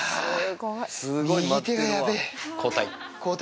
交代。